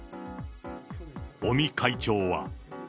尾身会長は。